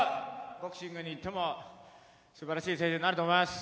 ボクシングに行っても素晴らしい選手になると思います。